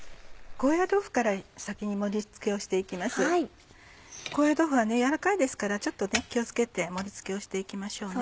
高野豆腐はやわらかいですからちょっと気を付けて盛り付けをして行きましょうね。